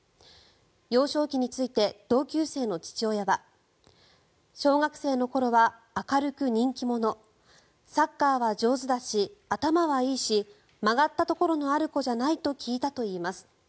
幼少期について同級生の父親は小学生の頃は明るく人気者サッカーは上手だし頭はいいし曲がったところのある子じゃないと聞いたといいます。